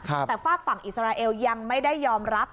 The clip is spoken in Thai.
แต่ฝากฝั่งอิสราเอลยังไม่ได้ยอมรับ